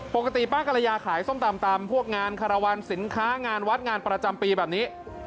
ปกติป้ากรยาขายส้มตำตามพวกงานคารวรรณสินค้างานวัดงานประจำปีแบบนี้